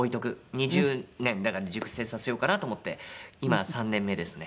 ２０年だから熟成させようかなと思って今３年目ですね。